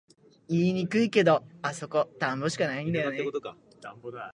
言いにくいけど、あそこ田んぼしかないよね